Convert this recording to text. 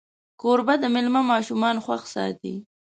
کوربه د میلمه ماشومان خوښ ساتي.